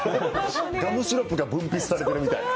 ガムシロップが口の中に分泌されてるみたい。